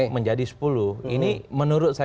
menjadi sepuluh ini menurut saya